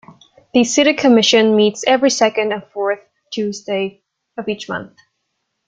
The city commission meets every second and fourth Tuesday of each month.